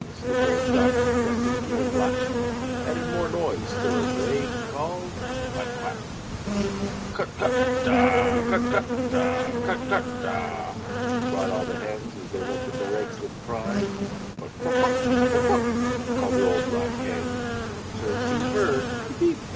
And the sleek old ducks, dressed in green and black, Added more noise still as they called "Quack! Quack!" "Cut cut dah cut cut! Cut cut dah cut!" cried All the hens as they looked at their eggs with pride. But "Cluck cluck! Cluck cluck!" called the old black hen Till she heard "Peep, peep!"